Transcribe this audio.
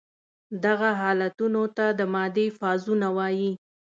دغه حالتونو ته د مادې فازونه وايي.